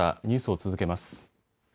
ニュースを続けます。